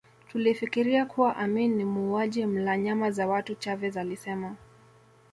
Tulifikiria kuwa Amin ni muuaji mla nyama za watu Chavez alisema